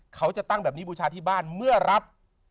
เขาจะตั้งแบบนี้บูชาที่บ้านเมื่อรับ